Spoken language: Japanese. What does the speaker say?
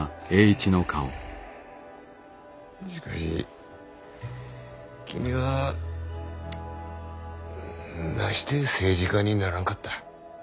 しかし君はなして政治家にならんかった？